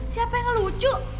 siapa yang lucu